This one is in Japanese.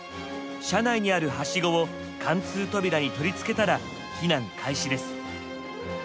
車内にあるはしごを貫通扉に取り付けたら避難開始です。